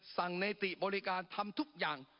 ในติบริการทำทุกอย่าง